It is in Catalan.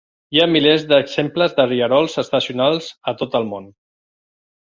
Hi ha milers d'exemples de rierols estacionals a tot el món.